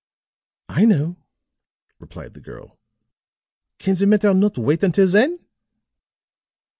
"I know," replied the girl. "Can the matter not wait until then?"